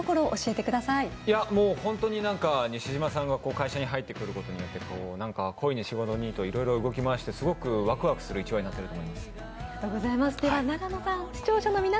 西島さんが会社に入ってくることによって恋に仕事にいろいろ動き出してすごくワクワクしている１話になっていると思います。